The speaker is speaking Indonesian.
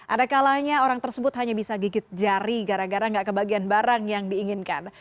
ada kalanya orang tersebut hanya bisa gigit jari gara gara gak kebagian barang yang diinginkan